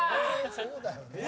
そうだよね。